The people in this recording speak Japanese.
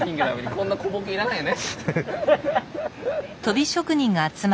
こんな小ボケいらないよね。